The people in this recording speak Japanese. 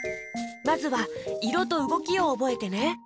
まずはいろとうごきをおぼえてね！